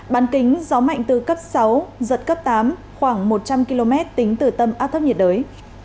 bán kính gió mạnh từ cấp sáu giật cấp tám khoảng một trăm linh km tính từ tâm áp thấp nhiệt đới